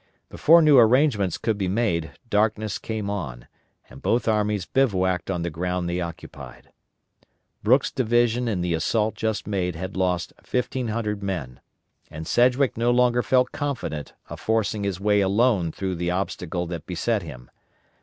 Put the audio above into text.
Before new arrangements could be made darkness came on, and both armies bivouacked on the ground they occupied. Brooks' division in the assault just made had lost 1,500 men, and Sedgwick no longer felt confident of forcing his way alone through the obstacle that beset him.